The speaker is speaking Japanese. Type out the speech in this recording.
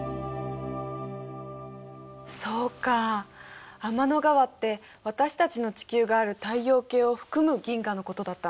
そうか天の川って私たちの地球がある太陽系を含む銀河のことだったんだ。